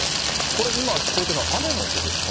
これ、今、聞こえているのは雨の音ですか。